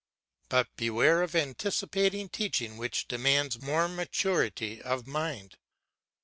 But beware of anticipating teaching which demands more maturity of mind.